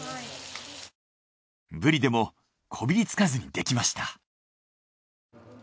ブリでもこびりつかずにできました。